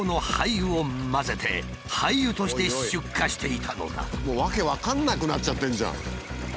そのためもう訳分かんなくなっちゃってるじゃん。